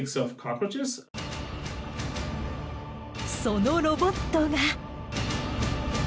そのロボットが。